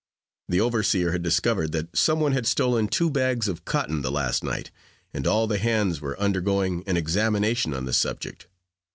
The overseer had discovered that some one had stolen two bags of cotton the last night, and all the hands were undergoing an examination on the subject.